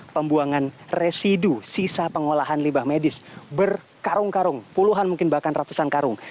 pembuangan residu sisa pengolahan limbah medis berkarung karung puluhan mungkin bahkan ratusan karung